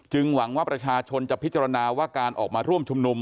หวังว่าประชาชนจะพิจารณาว่าการออกมาร่วมชุมนุม